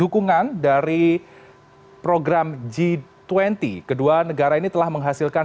dukungan dari program g dua puluh kedua negara ini telah menghasilkan